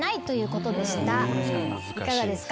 いかがですか？